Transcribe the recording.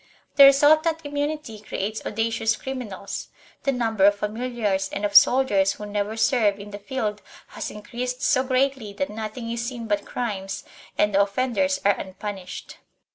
The resultant immunity creates audacious criminals; the number of familiars and of soldiers who never serve in the field has increased so greatly that nothing is seen but crimes and the offenders are unpunished.